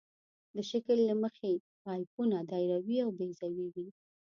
د شکل له مخې پایپونه دایروي او بیضوي وي